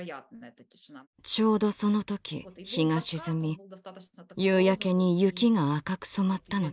ちょうどその時日が沈み夕焼けに雪が赤く染まったのです。